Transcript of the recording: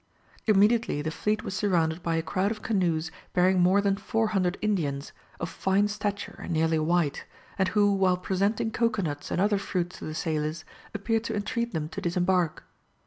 Immediately the fleet was surrounded by a crowd of canoes bearing more than four hundred Indians, of fine stature and nearly white, and who while presenting cocoa nuts and other fruits to the sailors, appeared to entreat them to disembark.